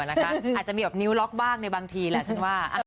อาจจะมีแบบนิ้วล็อกบ้างในบางทีแหละฉันว่า